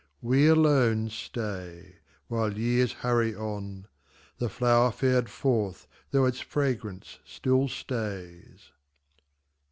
We alone stay While years hurry on, The flower fared forth, though its fragrance still stays.